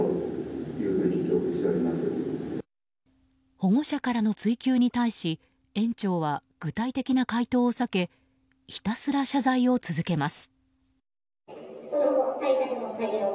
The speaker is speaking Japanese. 保護者からの追及に対し園長は、具体的な回答を避けひたすら謝罪を続けます。